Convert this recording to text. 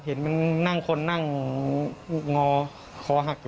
เห็นมันนั่งคนนั่งอุ๊กงอคอหักเลย